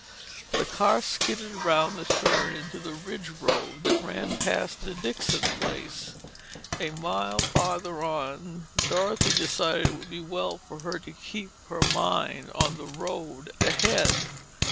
The car skidded round the turn into the Ridge Road that ran past the Dixon place. A mile farther on, Dorothy decided it would be well for her to keep her mind on the road ahead.